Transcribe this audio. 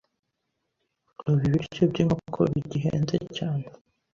ubu ibiryo by’inkoko bigihenze cyane